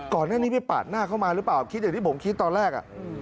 ก่อนหน้านี้ไปปาดหน้าเข้ามาหรือเปล่าคิดอย่างที่ผมคิดตอนแรก